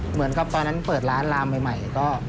เหมือนกับตอนนั้นเปิดร้านลามใหม่ก็